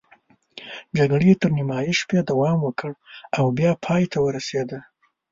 جګړې تر نیمايي شپې دوام وکړ او بیا پای ته ورسېده.